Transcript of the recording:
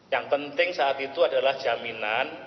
yang penting saat itu adalah jaminan